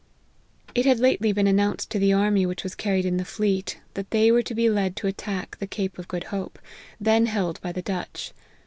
It had lately been announced to the army which was carried in the fleet, that they were to be led to attack the cape of Good Hope, then held by the Dutch.